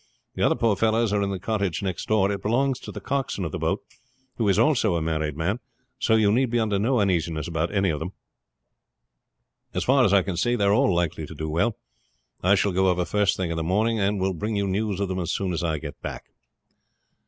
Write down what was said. The other poor fellows are in the cottage next door. It belongs to the coxswain of the boat, who is also a married man. So you need be under no uneasiness about any of them. As far as I can see, they are all likely to do well. I shall go over the first thing in the morning, and will bring you news of them as soon as I get back."